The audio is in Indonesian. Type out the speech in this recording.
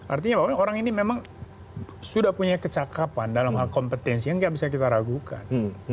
artinya orang ini memang sudah punya kecakapan dalam hal kompetensi yang nggak bisa kita ragukan